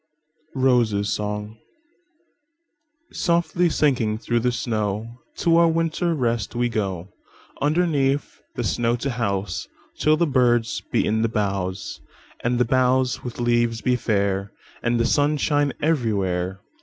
ROSES' SONG"SOFTLY sinking through the snow, To our winter rest we go, Underneath the snow to houseTill the birds be in the boughs, And the boughs with leaves be fair, And the sun shine everywhere.